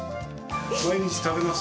毎日食べます？